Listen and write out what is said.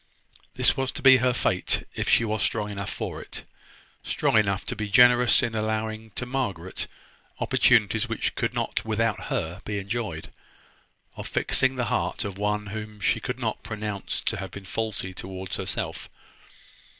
This was to be her fate if she was strong enough for it, strong enough to be generous in allowing to Margaret opportunities which could not without her be enjoyed, of fixing the heart of one whom she could not pronounce to have been faulty towards herself.